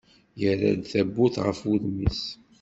Yerra-d tawwurt ɣef wudem-is.